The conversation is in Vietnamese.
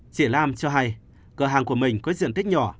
chị lam cho hay cửa hàng của mình có diện tích nhỏ